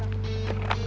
udah kayak bang